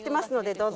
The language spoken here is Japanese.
どうぞ。